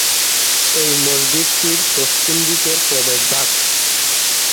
এটি মসজিদটির পশ্চিম দিকের প্রবেশভাগ।